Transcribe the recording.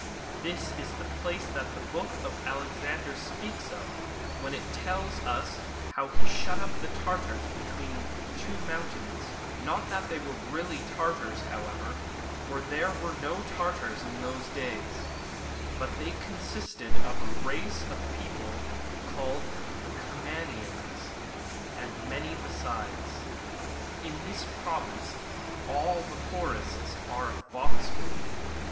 This is the place that the Book of Alexander speaks of, when it tells us how he shut up the Tartars between two mountains ; not that they were really Tartars, however, for there were no Tartars in those days, but they consisted of a race of people called Comanians and many besides.^ [In this province all the forests are of box wood.''